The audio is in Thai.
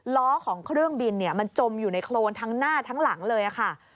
ล้อของเครื่องบินมันจมอยู่ในโครนทั้งหน้าทั้งหลังเลยค่ะ